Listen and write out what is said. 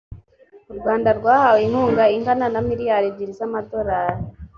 u rwanda rwahawe inkunga ingana na miliyari ebyiri za madorari